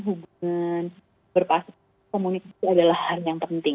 hubungan berpasangan komunikasi adalah hal yang penting